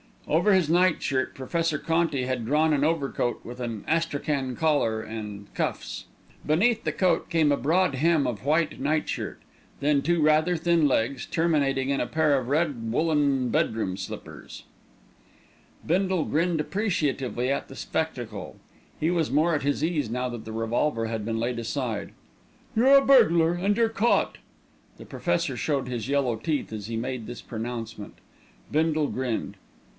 Over his nightshirt Professor Conti had drawn an overcoat with an astrachan collar and cuffs. Beneath the coat came a broad hem of white nightshirt, then two rather thin legs, terminating in a pair of red woollen bedroom slippers. Bindle grinned appreciatively at the spectacle. He was more at his ease now that the revolver had been laid aside. "You're a burglar, and you're caught." The Professor showed his yellow teeth as he made this pronouncement. Bindle grinned.